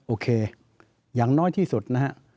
โอเคอย่างน้อยที่สุดนะฮะ